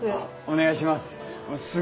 お願いします